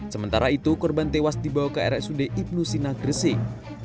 sementara itu korban tewas dibawa ke rsud ibnu sina gresik